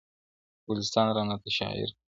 پسرلي ټول شاعران کړې ګلستان راته شاعر کړې-